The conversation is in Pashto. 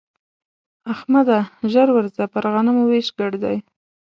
احمده! ژر ورځه پر غنمو وېش ګډ دی.